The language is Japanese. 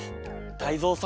タイゾウさん